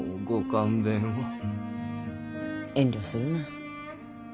遠慮するな。